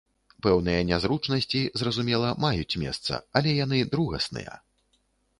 Пэўныя нязручнасці, зразумела, маюць месца, але яны другасныя.